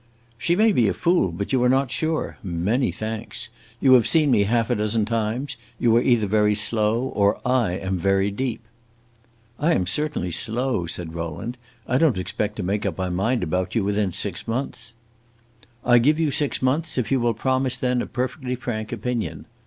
"She may be a fool, but you are not sure. Many thanks! You have seen me half a dozen times. You are either very slow or I am very deep." "I am certainly slow," said Rowland. "I don't expect to make up my mind about you within six months." "I give you six months if you will promise then a perfectly frank opinion.